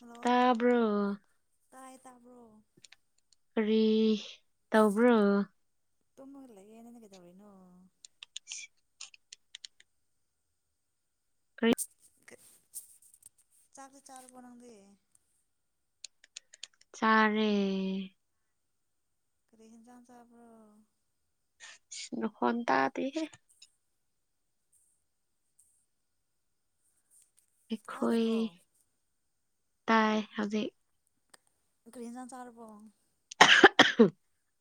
Hello ꯇꯥꯕ꯭ꯔꯣ ꯇꯥꯏ ꯇꯥꯕ꯭ꯔꯣ ꯀꯔꯤ ꯇꯧꯕ꯭ꯔꯣ ꯇꯃꯒꯂ ꯌꯦꯅ ꯅꯒꯗꯕꯅꯣ [unintelligible] ꯆꯥꯛꯥꯛꯂꯤ ꯆꯥꯔ ꯅꯥꯎꯗ ꯆꯔꯦ ꯀ꯭ꯔꯍꯤ ꯆ ꯆꯕ꯭ꯔꯣ ꯍꯣꯟꯟ ꯇꯗꯤꯍꯦ ꯑꯩꯈꯣꯏ ꯇꯥꯗꯕ꯭ꯔꯣ ꯇꯥꯏ ꯍꯧꯖꯤꯛ ꯀꯔꯤꯖꯥꯡ ꯆꯔꯔꯕ [unintelligible]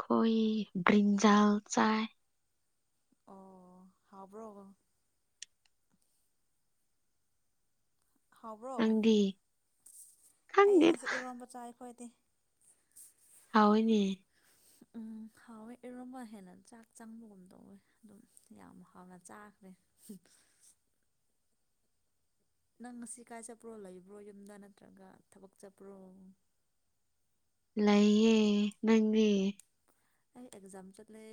ꯈꯣꯏ ꯭ꯔꯤꯟꯖꯜ ꯆꯥꯏ ꯑꯣ ꯍꯕ꯭ꯔꯣ ꯍꯕ꯭ꯔꯣ ꯅꯪꯗꯤ ꯑꯩ ꯈꯪꯗꯦꯗ ꯉꯁꯦ ꯏꯔꯝꯕꯆꯥ ꯐꯣꯏꯗ ꯌꯥꯑꯣꯣꯏꯅꯤ ꯎꯝ ꯍꯥꯎꯋꯦ ꯏꯔꯣꯟꯝꯕ ꯍꯦꯟꯅ ꯆꯥꯛ ꯆꯪꯕꯒꯨꯝ ꯇꯧꯋꯦ ꯑꯗꯨꯝ ꯌꯥꯝ ꯍꯥꯎꯅ ꯆꯥꯈ꯭ꯔꯦ ꯅꯪ ꯉꯁꯤ ꯀꯥꯏ ꯆꯠꯄ꯭ꯔꯣ ꯂꯩꯕ꯭ꯔꯣ ꯌꯨꯝꯗ ꯅꯠꯇ꯭ꯔꯒ ꯊꯕꯛ ꯆꯠꯄ꯭ꯔꯣ ꯂꯩꯌꯦ ꯅꯪꯒꯦ ꯑꯦꯛꯖꯥꯝꯄꯜꯦ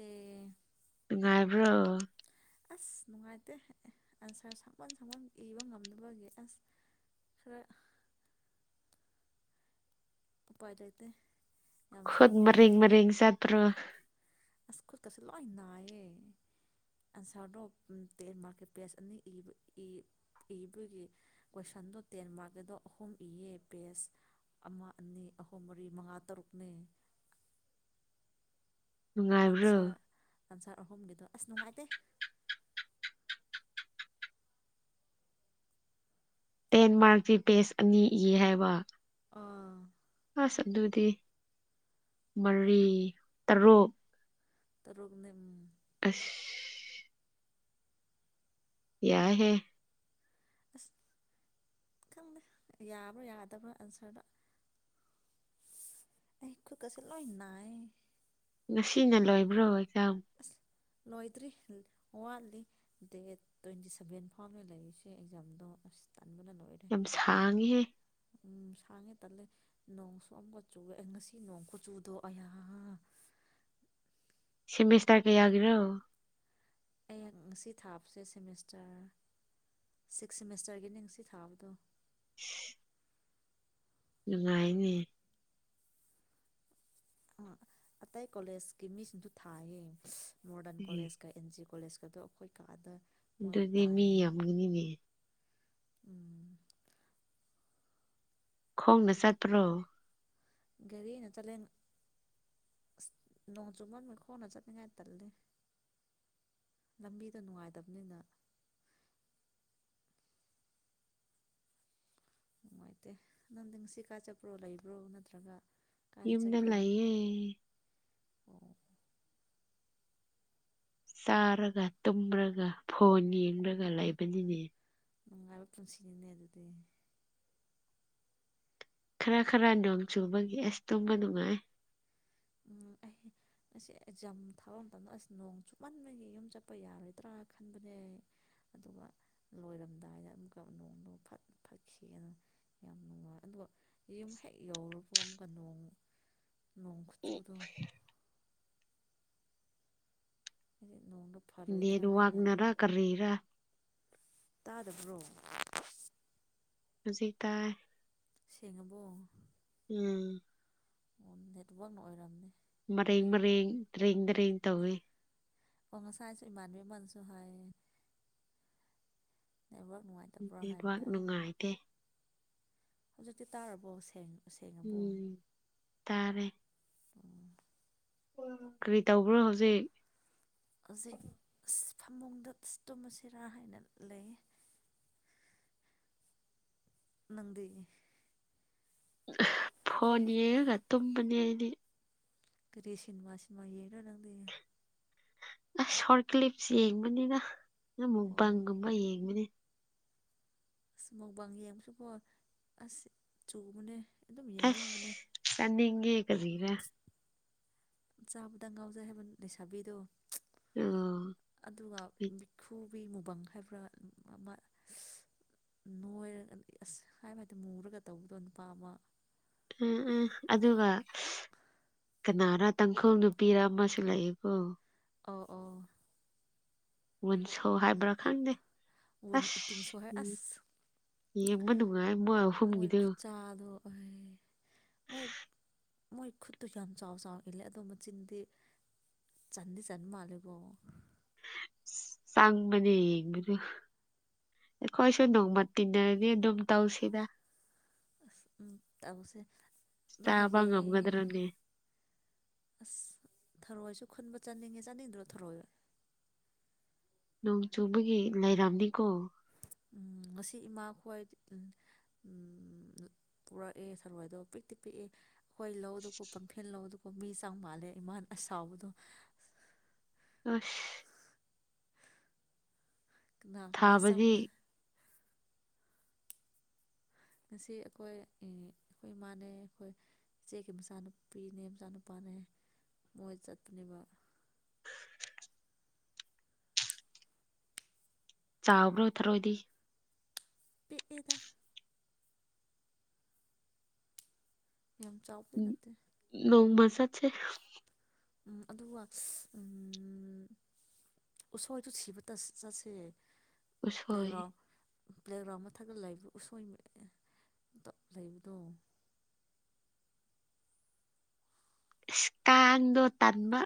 ꯉꯥꯏꯕ꯭ꯔꯣ ꯑꯁ ꯅꯨꯡꯉꯥꯏꯇꯦ ꯑꯟꯁꯥꯔ ꯁꯛꯃꯟ ꯁꯃꯟ ꯏꯕ ꯉꯝꯗꯅꯕꯒꯤ ꯑꯁ ꯈꯔ ꯄꯥꯏꯖꯗꯦ ꯈꯨꯠ ꯃꯔꯤꯦꯡ ꯃꯔꯤꯦꯡ ꯆꯠꯠꯇ꯭ꯔꯣ ꯑꯁ ꯈꯨꯠꯀꯁꯦ ꯂꯣꯏ ꯅꯥꯏꯌꯦ ꯑꯟꯁꯥꯔꯗꯣ ꯇꯦꯟ ꯃꯥꯔꯛꯀꯤ ꯄꯦꯖ ꯑꯅꯤ ꯏꯕ ꯏꯕꯒꯤ ꯀꯣꯏꯁꯟꯗꯣ ꯇꯦꯟ ꯃꯥꯔꯛꯀꯤꯗꯣ ꯑꯍꯨꯝ ꯏꯌꯦ ꯄꯦꯖ ꯑꯃ ꯑꯅꯤ ꯑꯍꯨꯝ ꯃꯔꯤ ꯃꯉꯥ ꯇꯔꯨꯛꯅꯤ ꯅꯨꯡꯉꯥꯏꯕ꯭ꯔꯣ ꯑꯁꯥꯔ ꯑꯍꯨꯝꯒꯤꯗꯣ ꯑꯁ ꯅꯨꯡꯉꯥꯏꯇꯦ ꯇꯦꯟꯃꯔꯛꯀꯤ ꯄꯦꯖ ꯑꯅꯤ ꯏ ꯍꯥꯏꯕ ꯑꯥ ꯑꯁ ꯑꯗꯨꯗꯤ ꯃꯔꯤ ꯇꯔꯨꯛ ꯇꯔꯣꯒꯅꯤ ꯎꯝ ꯑꯁ ꯌꯥ ꯍꯦ ꯑꯁ ꯈꯪꯗꯦ ꯌꯥꯕ꯭ꯔꯥ ꯌꯥꯗꯕ꯭ꯔꯥ ꯑꯟꯁꯔꯗ ꯑꯩ ꯈꯨꯠꯀꯁ ꯂꯣꯏ ꯅꯥꯏ ꯉꯁꯤꯅ ꯂꯣꯏꯕ꯭ꯔꯣꯏ ꯌꯥꯝꯝ ꯑꯁ ꯂꯣꯏꯗ꯭ꯔꯤ ꯋꯥꯠꯂꯤ ꯗꯦ ꯇ꯭ꯋꯦꯟꯇꯤ ꯁꯚꯦꯟ ꯐꯥꯎꯅ ꯂꯩꯔꯤꯁꯦ ꯑꯦꯛꯖꯥꯝꯗꯣ ꯑꯁ ꯇꯟꯕꯅ ꯂꯣꯏꯔꯦ ꯌꯥꯝ ꯁꯥꯡꯉꯦꯍꯦ ꯎꯝ ꯁꯥꯡꯉꯦ ꯇꯜꯂꯦ ꯅꯣꯡꯁꯨꯑꯝꯀ ꯆꯨꯨꯔꯛꯦ ꯉꯁꯤ ꯅꯣꯡ ꯀꯨ ꯆꯨꯗꯣ ꯑꯌꯥ ꯁꯤꯃꯤꯁ ꯇꯔ ꯀꯩ ꯌꯥꯒꯤꯔꯣ ꯑꯩꯥꯛ ꯉꯁꯤ ꯊꯥꯕꯁꯦ ꯁꯤꯦꯃꯤꯁꯇꯔ ꯁꯤꯛꯁ ꯁꯦꯃꯤꯁꯇꯔꯒꯤꯅꯤ ꯉꯁꯤ ꯊꯥꯕꯗꯣ [unintelligible] ꯅꯨꯡꯉꯥꯏꯅꯦ ꯑ ꯑꯇꯩ ꯀꯣꯂꯦꯖꯀꯤ ꯃꯤꯁꯤꯡꯁꯨ ꯊꯥꯏꯌꯦ ꯃꯣꯗꯔꯟ ꯑꯦ ꯀꯣꯦꯖ ꯀ ꯑꯦꯟ ꯖꯤ ꯑꯣ ꯀꯣꯂꯦꯖꯀꯗꯣ ꯑꯩꯈꯣꯏ ꯀꯥꯗ ꯃꯣꯏ ꯑꯗꯨꯗꯤ ꯃꯤ ꯇꯥꯏꯌꯦ ꯌꯥꯝꯒꯅꯤꯅꯦ ꯎꯝ ꯈꯣꯡꯅ ꯆꯠꯇ꯭ꯔꯣ ꯒꯥꯔꯤꯅ ꯆꯠꯂꯦ ꯑꯁ ꯅꯣꯡ ꯆꯨꯃꯟ ꯃꯈ ꯈꯣꯡꯅ ꯆꯠꯅꯤꯡꯉꯥꯏ ꯇꯜꯂꯦ ꯂꯝꯕꯤꯗꯣ ꯅꯨꯡꯉꯥꯏꯇꯕꯅꯤꯅ ꯅꯨꯡꯉꯥꯏꯇꯦ ꯅꯪꯗꯤꯁꯤ ꯀꯥ ꯆꯠꯄ꯭ꯔꯣ ꯂꯩꯕ꯭ꯔꯣ ꯅꯠꯇ꯭ꯔꯒ ꯀꯥꯏꯗ ꯌꯨꯝꯗ ꯆꯠꯀꯦ ꯂꯑꯌꯦ ꯑꯣ ꯆꯥꯔꯒ ꯇꯨꯝꯔꯒ ꯐꯣꯟ ꯌꯦꯡꯂꯒ ꯂꯩꯕꯅꯤꯅꯦ ꯅꯪ ꯑꯂꯛꯇꯝ ꯁꯤꯟꯅ ꯑꯗꯨꯗꯗꯤ ꯈꯔ ꯈꯔ ꯅꯣꯡ ꯆꯨꯕꯒꯤ ꯑꯁ ꯇꯨꯝꯕ ꯅꯨꯡꯉꯥꯏ ꯎꯝ ꯑꯩ ꯑꯁꯤꯁ ꯑꯦꯛꯖꯥꯝ ꯊꯥꯕ ꯃꯇꯝꯗ ꯑꯁ ꯅꯣꯡ ꯆꯨꯞꯃꯟꯕꯒꯤ ꯌꯨꯝ ꯆꯠꯄ ꯌꯥꯔꯣꯏꯗ꯭ꯔꯥ ꯈꯟꯕꯅꯦ ꯑꯗꯨꯒ ꯂꯣꯏꯔꯝꯗꯥꯏꯗ ꯑꯃꯨꯛꯀ ꯅꯣꯡꯗꯣ ꯐꯠꯈꯤꯅ ꯌꯥꯝ ꯅꯨꯡꯉꯥꯏ ꯑꯗꯨꯒ ꯌꯨꯝ ꯍꯦꯛ ꯌꯧꯔꯨꯕꯒ ꯑꯃꯨꯛꯀ ꯅꯣꯡ ꯆꯨꯗꯣ ꯎ ꯗꯦ ꯑꯗꯨ ꯋꯥꯡꯅꯔꯥ ꯀꯔꯤꯔ ꯇꯥꯗꯕ꯭ꯔꯣ ꯍꯧꯖꯤ ꯇꯥꯏ ꯁꯤꯦꯉꯕꯣ ꯎꯝ ꯑꯣ ꯅꯦꯠꯋꯥꯛꯅ ꯑꯣꯏꯔꯝꯅꯦ ꯃꯔꯦꯡ ꯃꯔꯦꯡ ꯗꯔꯤꯦꯡ ꯗꯔꯤꯦꯡ ꯇꯧꯏꯤ ꯄꯉ ꯆꯥꯏꯁꯨ ꯏꯃ ꯃꯟꯁꯨꯨ ꯍ ꯅꯨꯡꯉꯥꯏꯇꯕ꯭ꯔꯣ ꯅꯦꯠꯋꯥꯛ ꯍꯥꯏꯕꯗ ꯅꯨꯡꯉꯥꯏꯇꯦ ꯍꯧꯖꯤꯛꯇꯤ ꯇꯥꯔꯕꯣ ꯁꯦꯡꯅꯣ ꯎꯝ ꯇꯥꯔꯦ ꯀꯔꯤ ꯇꯧꯕ꯭ꯔꯣ ꯍꯧꯖꯤꯛ ꯁꯩ ꯐꯃꯨꯡꯗꯇꯣꯃꯁꯤꯔꯥ ꯍꯥꯏꯅ ꯂꯩ ꯅꯗꯤ ꯐꯣꯟ ꯌꯦꯡꯒ ꯇꯨꯝꯕꯅꯤ ꯑꯩꯗꯤ ꯀꯔꯤ ꯁꯤꯅꯦꯃꯥ ꯁꯤꯅꯦꯃꯥꯔ ꯂꯪꯗ ꯑ ꯁꯣꯔ ꯀꯂꯤꯞꯁ ꯌꯦꯡꯕꯅꯤꯅ ꯑꯣ ꯅꯕꯪꯨꯝꯕ ꯌꯦꯡꯃꯤꯅꯦ ꯑꯁ ꯃꯧꯕꯥꯡ ꯌꯦꯡꯕꯁꯨꯕꯣ ꯑꯁ ꯆꯨꯕꯅꯦ ꯑꯗꯨꯝ ꯌꯦꯡꯅꯤꯡꯕꯅꯦ ꯑꯁ ꯀꯅꯤꯡ ꯀꯖꯤꯔ ꯆꯥꯕꯗ ꯉꯥꯎꯖꯩ ꯍꯥꯏꯕ ꯂꯩꯁꯥꯕꯤꯗꯣ ꯑꯣ ꯑꯗꯨꯒ ꯈꯨ ꯀꯕꯤ ꯃꯨꯕꯪ ꯍꯥꯏꯕ꯭ꯔꯥ ꯑꯃ ꯅꯣꯏꯔꯒ ꯑꯁ ꯍꯥꯏꯕ ꯍꯥꯏꯗꯤ ꯃꯨꯔꯒ ꯇꯧꯕꯗꯣ ꯅꯨꯄꯥ ꯑꯃ ꯎꯝ ꯎꯝ ꯑꯗꯨꯒ ꯀꯅꯥꯔꯥ ꯇꯥꯡꯈꯣꯜ ꯅꯨꯄꯤꯔ ꯑꯃꯁꯨ ꯂꯩꯌꯦꯀꯣ ꯑꯣ ꯑꯣ ꯃ ꯁꯧ ꯍꯥꯏꯕ꯭ꯔꯥ ꯈꯪꯗꯦ ꯋꯨꯟ ꯑꯁ ꯏꯇꯤꯡꯁꯨ ꯍꯥꯏ ꯎ ꯑꯁ ꯌꯦꯕꯗꯨ ꯃꯣꯏ ꯈꯨꯆꯥꯗ ꯑꯣꯏ ꯃꯣꯏ ꯃꯣꯏ ꯈꯨꯠꯇꯨ ꯌꯥꯝ ꯆꯥꯎ ꯆꯥꯎꯅ ꯏꯜꯂꯦ ꯑꯗꯣ ꯃꯆꯤꯟꯗꯤ ꯆꯟꯗꯤ ꯆꯟ ꯃꯥꯜꯂꯦꯕꯣ ꯆꯪꯕꯅꯦ ꯌꯦꯡꯕꯗ ꯑꯩꯈꯣꯏꯁꯨ ꯅꯣꯡꯃ ꯇꯤꯟꯅꯔꯅꯤ ꯑꯗꯨꯝ ꯇꯧꯁꯤꯗ ꯎꯝ ꯇꯥꯁꯦ ꯆꯥꯕ ꯉꯝꯒꯗ꯭ꯔꯅꯦ ꯑꯁ ꯊꯔꯣꯏꯁꯨ ꯈꯨꯟꯕ ꯆꯥꯅꯤꯡꯉꯦ ꯆꯥꯅꯤꯡꯗ꯭ꯔꯣ ꯊꯔꯣꯏꯕ ꯅꯣꯡ ꯆꯨꯕꯒꯤ ꯂꯩꯥꯏꯔꯝꯅꯤꯀꯣ ꯎ ꯉꯁꯤ ꯏꯃꯥ ꯈ꯭ꯋꯥꯏ ꯄꯨꯔꯛꯑꯦ ꯊꯔꯋꯥꯣꯏꯗꯣ ꯄꯤꯛꯇꯤ ꯄꯤꯛꯑꯦ ꯍꯣꯏ ꯂꯧꯗꯀꯣ ꯄꯝꯐꯦꯟ ꯂꯧꯗꯣ ꯣ ꯃꯤ ꯆꯥꯡ ꯃꯥꯜꯂꯦ ꯏꯃꯥꯟ ꯑꯁꯥꯎꯕꯗꯣ ꯑꯁ ꯀꯅꯥꯒꯅꯥ ꯊꯥꯕꯗꯤ ꯆꯥꯎꯥꯎꯅ ꯉꯁꯤ ꯑꯩꯈꯣꯏ ꯑꯩꯈꯣꯏ ꯏꯃꯥꯅꯦ ꯑꯩꯈꯣꯏ ꯏꯆꯦꯒꯤ ꯃꯆꯥꯅꯨꯄꯤꯅꯦ ꯃꯆꯥꯅꯨꯄꯥꯅꯦ ꯃꯣꯏ ꯆꯠꯄꯅꯦꯕ ꯆꯥꯎꯕ꯭ꯔꯣ ꯊꯔꯣꯏꯗꯤ ꯄꯤꯗ ꯌꯥꯝ ꯆꯥꯎꯕ ꯅꯠꯇꯦ ꯆꯦ ꯎꯝ ꯑꯗꯨꯒ ꯎ ꯎꯁꯣꯏꯗꯨ ꯁꯤꯕ ꯆꯠꯁꯦ ꯎꯁꯣꯏ ꯄ꯭ꯂꯦꯒ꯭ꯔꯥꯎꯟ ꯄ꯭ꯂꯦꯒ꯭ꯔꯥꯎꯟ ꯃꯊꯛꯒ ꯂꯩꯕ ꯎꯁꯣꯏ ꯂꯩꯕꯗꯣ ꯏꯁꯀꯥꯟꯗꯣ ꯇꯥꯟꯕ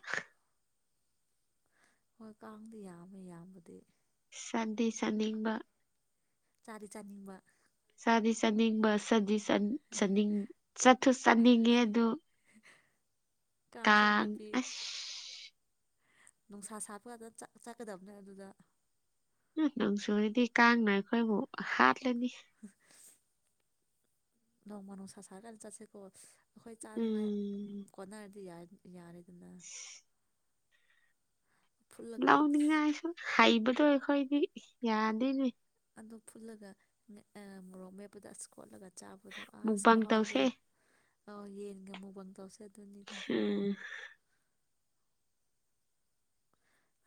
ꯍꯣꯏ ꯀꯥꯡꯗꯤ ꯌꯥꯝꯃꯦ ꯌꯥꯝꯕꯗꯤ ꯆꯗꯤ ꯁꯥꯅꯤꯡꯕ ꯆꯔꯤ ꯆꯔꯅꯤꯡꯕ ꯁꯥꯗꯤꯆꯥꯅꯤꯡꯕ ꯁꯥꯗꯤꯁ꯫ ꯆꯠ ꯆꯅꯤꯡ ꯆꯠꯊꯨ ꯆꯠꯅꯤꯡꯉꯦ ꯑꯗꯨ꯫ ꯀꯥꯡꯁꯨ ꯑꯃꯨꯛꯀ ꯇꯥꯡ ꯄꯤ ꯑꯁ꯫ ꯅꯨꯡꯁꯥ ꯁꯥꯄꯗ ꯆꯠ ꯆꯠꯀꯗꯕꯅꯦ ꯑꯗꯨꯗ꯫ ꯎꯝ ꯅꯨꯡꯁꯨꯗꯤ ꯀꯥꯡꯅ ꯑꯩꯈꯣꯏꯕꯨ ꯍꯥꯠ꯫ ꯂꯝꯃꯤ꯫ ꯅꯣꯡꯃꯅꯨꯁ ꯁꯥꯥꯒꯥꯟ ꯆꯠꯁꯦ ꯀꯣ꯫ ꯑꯈꯣꯏ ꯆꯥꯅꯉꯥꯏ ꯀꯣꯟꯅꯔꯗꯤ ꯌꯥꯏ꯫ ꯌꯥꯔꯦ꯫ ꯫ ꯐꯨꯠꯂꯒ ꯂꯥꯎꯅꯤꯡꯉꯥꯏꯁꯨꯝ ꯍꯥꯏꯕ꯫ ꯑꯗꯨ ꯑꯈꯣꯏꯗꯤ ꯌꯥꯗꯦꯅꯦ꯫ ꯑꯗꯨ ꯐꯨꯠꯂꯒ ꯃꯣꯔꯣꯛ ꯑꯥ ꯃꫭꯔꫭꯛꯃ‌ꯦꯠꯄꯗꫭ ꯑꯁ ꯈꯣꯠꯂꯒ꯫ ꯆꯥꯕꯗꫭ ꯑꯁ ꯃꯨꯛꯕꯥꯡ ꯇꯧꯁꯦ ꯈꯨꯍꯥꯎꯗꫭ꯫ ꯑꯥ ꯌꯦꯟꯒꯃꯨꯛꯕꯥꯡ ꯇꯧꯁꯦ꯫ ꯑꯗꯨꯅꯤꯗ ꯍꯨꯝ꯫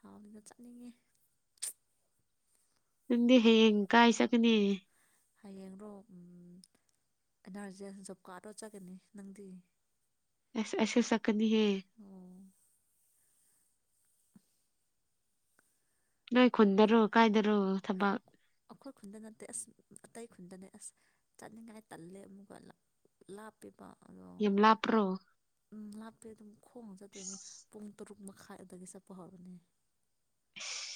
ꯍꯥꯎꯅꯗ ꯆꯥꯅꯤꯡꯉꯦ꯫ ꯅꯪꯗꯤ ꯍꯌꯦꯡ ꯀꯥꯏ ꯆꯠꯅꯤ꯫ ꯍꯌꯦꯡꯔꯣ ꯎꯝ ꯑꯦꯟ ꯑꯥꯔꯖꯤꯁ ꯖꯣꯕ ꯀꯥꯔꯗ ꯆꯅꯤ ꯅꯪꯗꯤ꯫ ꯑꯦꯁ ꯑꯦꯁ‌ ꯁꯞ꯫ ꯀꯅꯤꯍꯦ꯫ ꯑꯣ ꯅꯣꯏ ꯈꯨꯟꯗꯔꯣ ꯀꯥꯏꯗꯔꯣ ꯊꯕꯛ꯫ ꯑꯈꯣꯏ ꯈꯨꯟꯗ ꯅꯠꯇꯦ ꯑꯁ ꯑꯇꯩ ꯈꯨꯟꯗꯅꯦ ꯑꯁ ꯆꯠꯅꯤꯡꯉꯥꯏ ꯇꯜꯂꯦ ꯑꯃꯨꯛꯀ ꯂꯥꯞꯄꯤꯕ꯫ ꯌꯥꯝ ꯂꯥꯞꯄ꯭ꯔꯣ꯫ ꯎꯝ ꯂꯥꯞꯄꯦ ꯑꯗꯨꯝ꯫ ꯈꯣꯡꯅ ꯆꯠꯇꯣꯏꯅꯦ ꯄꯨꯡ꯫ ꯇꯔꯨꯛ ꯃꯈꯥꯏ ꯑꯗꯨꯗꯒꯤ ꯆꯠꯄꯍꯧꯕꯅ‌ꯦ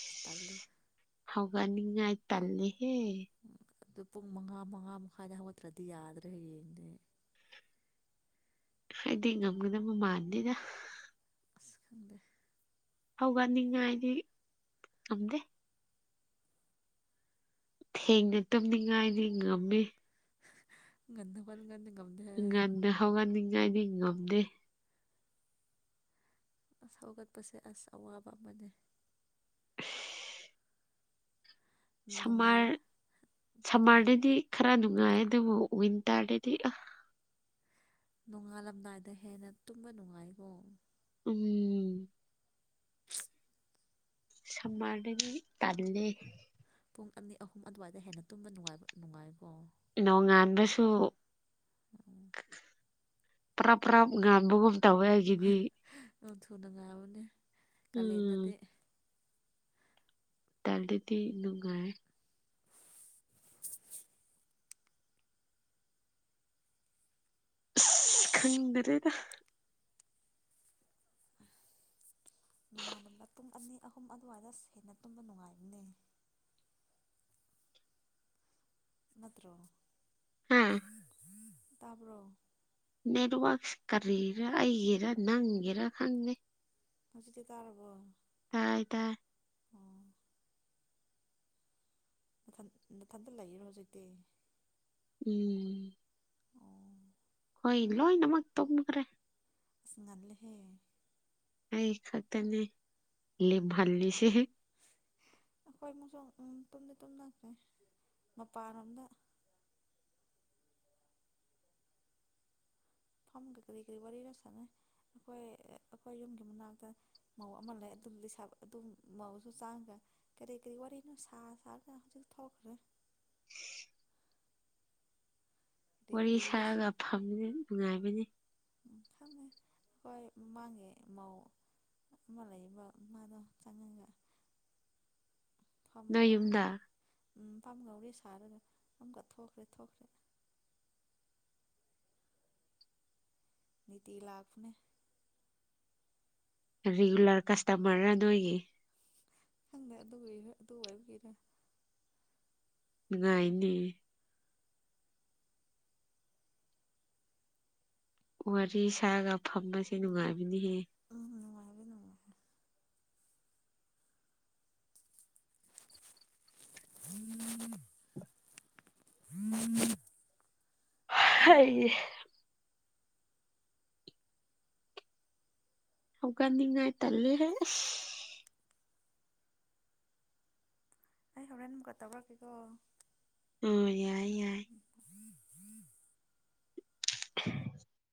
ꯁꯤ ꯇꯜꯂ‌ꯦ꯫ ꯍꯧꯒꯠ ꯅꯤꯡꯉꯥꯏꯇꯜꯂꯤ꯫ ꯍ‌ꯦ꯫ ꯑꯗꯨ ꯄꯨꯡ ꯃꯉꯥ ꯃꯉꯥ ꯃꯈꯥꯏꯗ ꯍꯧꯒꯠꯇ꯭ꯔꯗꯤ ꯌꯥꯗ꯭ꯔꯦ ꯍꯌꯦꯡꯗꯩ꯫ ꯍꯥꯏꯗꯤ ꯉꯝꯒꯗꯕ ꯃꯥꯟꯗꯦꯗ꯫ ꯑꯁ ꯈꯪꯗꯦ꯫ ꯍꯧꯒꯠꯅꯤꯡꯉꯥꯏꯗꯤ ꯉꯝꯗꯦ꯫ ꯊꯦꯡꯅ ꯇꯝꯅꯤꯡꯉꯥꯏꯗꯤ ꯉꯝꯃꯤ꯫ ꯉꯟꯅ ꯍꯧꯒꯠ ꯉꯟꯅ꯫ ꯉꯟꯅ ꯍꯧꯒꯠꯅꯤꯡ꯫ ꯅꯅꯤꯡ ꯉꯝꯗꯦ꯫ ꯍꯧꯒꯠꯄꯁꯦ ꯑꯁ ꯑꯋꯥꯕ ꯑꯃꯅꯤ꯫ ꯁꯃꯔ ꯅꯣꯡꯉꯥꯜ ꯀꯔꯤ ꯁꯝꯃꯥꯔꯗꯗꯤ ꯈ ꯈꯔ ꯅꯨꯡꯉꯥꯏ ꯑꯗꯨꯕꯨꯣ ꯟ ꯇꯥꯔꯦꯗꯤ ꯅꯣꯡꯉꯥꯜꯂꯝꯗꯥꯏꯗ ꯍꯦꯟꯅ ꯇꯨꯝꯕ ꯅꯨꯡꯉꯥꯏꯀꯣ ꯎꯝ [unintelligible] ꯁꯝꯃꯔ ꯇꯜꯂꯦ ꯄꯨꯡ ꯑꯅꯤ ꯑꯍꯨꯝ ꯑꯗꯨꯋꯥꯏꯗ ꯍꯦꯟꯅ ꯇꯨꯝꯕ ꯅꯨꯡꯉꯥꯏꯕ ꯅꯨꯡꯉꯥꯏꯀꯣ ꯂꯣꯡꯉꯥꯟꯗꯁꯨꯁꯨ ꯎꯝ ꯄꯨ꯭ꯔꯥꯞ ꯄꯨ꯭ꯔꯥ ꯉꯥꯟꯕꯒꯨꯝ ꯇꯋꯦꯒꯤꯗꯤ ꯎꯟꯊꯣꯅ ꯉꯕꯅꯦ ꯀꯂ ꯎꯝ ꯌꯦꯗꯗꯤ ꯇꯗꯤꯗꯤ ꯅꯨꯡꯉꯥꯏ ꯈꯟꯗ꯭ꯔꯦꯗ ꯅꯣꯡꯉꯥꯜꯂꯝꯕ ꯄꯨꯡ ꯑꯅꯤ ꯑꯍꯨꯝ ꯑꯗꯨꯋꯥꯏꯗ ꯍꯦꯟꯅ ꯇꯨꯝꯕ ꯅꯨꯡꯉꯥꯏꯔꯅꯦ ꯅꯠꯇ꯭ꯔꯣ ꯍꯥ ꯇꯥꯄꯣ ꯅꯦꯠꯋꯔꯛꯁ ꯀꯔꯤꯔꯥ ꯑꯩꯒꯦꯔ ꯅꯪꯒꯦꯔꯥ ꯈꯪꯉꯦ ꯃꯖꯤ ꯆ ꯇꯔꯔꯕꯣ ꯇꯥꯏ ꯇꯥꯏ ꯊ ꯃꯊꯟꯇ ꯂꯩꯔꯣ ꯍꯧꯖꯤꯛꯇꯤ ꯎꯝ ꯑꯣ ꯍꯣꯏ ꯂꯣꯏꯅꯃꯛ ꯇꯣꯡꯈ꯭ꯔꯦ ꯑ ꯉꯅꯥꯂꯍꯦ ꯑ ꯈꯇꯔꯅꯦꯚꯜꯅꯤꯁꯦ ꯑꯩꯈꯣꯏ ꯃꯨꯛꯁꯨ ꯇꯨꯝꯅ ꯇꯨꯝꯅꯈꯦ ꯃꯄꯥꯟꯔꯣꯝꯗ ꯐꯝꯒ ꯀꯔꯤ ꯀꯔꯤ ꯋꯥꯔꯤꯅꯣ ꯁꯥꯟꯅꯩ ꯑꯩꯈꯣꯏ ꯑꯩꯈꯣꯏ ꯌꯨꯝꯒꯤ ꯃꯅꯥꯛꯇ ꯃꯧ ꯑꯃ ꯂꯩ ꯑꯗꯨ ꯑꯗꯨ ꯃꯧꯁꯨ ꯆꯥꯡꯉꯈ ꯀꯔꯤ ꯀꯔꯤ ꯋꯥꯔꯤꯅꯣ ꯁꯥ ꯁꯥꯔꯒ ꯍꯧꯖꯤꯛ ꯊꯣꯛꯈ꯭ꯔꯦ ꯀꯔꯤ ꯋꯥꯔꯤ ꯀꯔꯤ ꯁꯥꯒ ꯐꯝꯅꯤ ꯅꯨꯡꯉꯥꯏꯕ ꯅꯦ ꯈꯪꯉꯦ ꯍꯣꯏ ꯃꯥꯥꯡꯉꯦ ꯃꯥ ꯃ ꯂꯩꯏꯕ ꯃꯥꯗꯣ ꯆꯉꯒ ꯐꯥꯝ ꯅꯣꯏ ꯃꯉꯥꯎ ꯎ ꯌꯨꯝꯗ ꯄꯥꯝꯒꯧꯔꯤ ꯁꯥꯔꯒ ꯑꯃꯨꯀ ꯊꯣꯛꯈ꯭ꯔꯦ ꯊꯣꯛꯈ꯭ꯔꯦ ꯅꯅꯤꯇ ꯂꯥꯕꯅꯦ ꯔꯤꯒꯨꯂꯔ ꯀꯁꯇꯃꯔ ꯅꯣꯏꯒꯤ ꯈꯪꯗ ꯑꯗꯨ ꯑꯗꯨꯥꯏ ꯑꯣꯏꯒꯔꯦ ꯉꯥꯏꯅꯤ ꯋꯥꯔꯤ ꯁꯥꯒ ꯐꯁꯦ ꯅꯨꯡꯉꯥꯏꯕ ꯀꯗꯤ ꯍꯦ ꯎꯝ ꯅꯨꯡꯉꯥꯏꯕꯗꯤ ꯅꯨꯡꯉꯥꯏ ꯎꯝ ꯎꯝ ꯍ ꯍꯧꯀꯥꯟꯗꯤꯉꯥꯏ ꯇꯂꯨ ꯍꯥꯏ ꯑꯩ ꯍꯣꯔꯦꯟ ꯑꯃꯨꯛꯀ ꯇꯧꯔꯛꯀꯦꯀꯣ ꯑꯣꯝ ꯌꯥꯏ ꯌꯥꯏ [unintelligible]